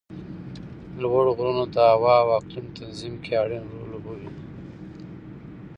لوړ غرونه د هوا او اقلیم تنظیم کې اړین رول لوبوي